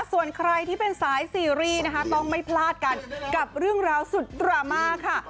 ส่วนใครที่เป็นสายซีรีส์นะคะต้องไม่พลาดกันกับเรื่องราวสุดดราม่าค่ะ